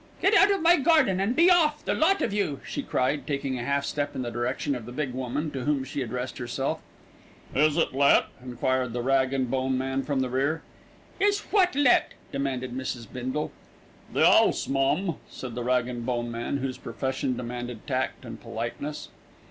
"Get out of my garden, and be off, the lot of you," she cried, taking a half step in the direction of the big woman, to whom she addressed herself. "Is it let?" enquired the rag and bone man from the rear. "Is what let?" demanded Mrs. Bindle. "The 'ouse, mum," said the rag and bone man, whose profession demanded tact and politeness.